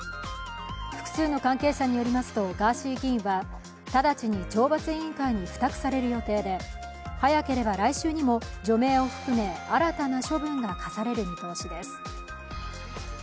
複数の関係者によりますと、ガーシー議員は直ちに懲罰委員会に付託される予定で、早ければ来週にも除名を含め、新たな処分が科される見通しです。